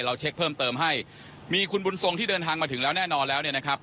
เช็คเพิ่มเติมให้มีคุณบุญทรงที่เดินทางมาถึงแล้วแน่นอนแล้วเนี่ยนะครับ